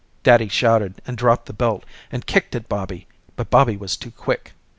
Daddy shouted and dropped the belt and kicked at Bobby but Bobby was too quick.